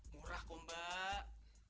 murah kom mbak